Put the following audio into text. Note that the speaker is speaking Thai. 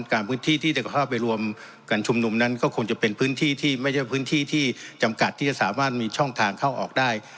การพื้นที่ที่จะเข้าไปรวมกันชุมนุมนั้นก็คงจะเป็นพื้นที่ที่ไม่ใช่พื้นที่ที่จำกัดที่จะสามารถมีช่องทางเข้าออกได้